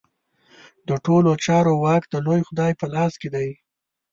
د ټولو چارو واک د لوی خدای په لاس کې دی.